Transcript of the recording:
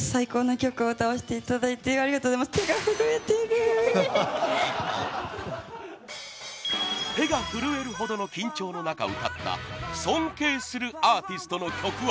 改めて手が震えるほどの緊張の中歌った尊敬するアーティストの曲は。